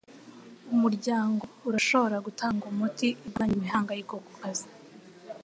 Umuryango urashobora gutanga umuti irwanya imihangayiko kukazi